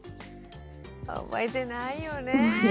覚えてないよね。